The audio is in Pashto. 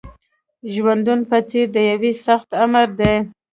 ژوندون په څېر د یوه سخت آمر دی